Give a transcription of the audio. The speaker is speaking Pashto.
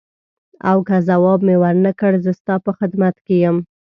او که ځواب مې ورنه کړ زه ستا په خدمت کې یم.